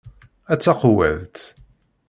A taqewwadt!